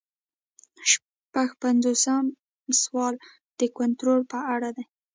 شپږ پنځوسم سوال د کنټرول په اړه دی.